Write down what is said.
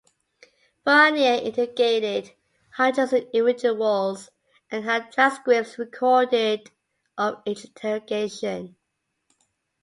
Fournier interrogated hundreds of individuals and had transcripts recorded of each interrogation.